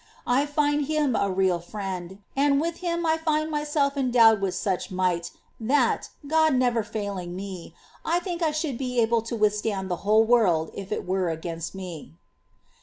I find Him a real Friend, and with Him I find my self endowed with such might that, God never failing me, I think I should be able to withstand the whole world if it were against me.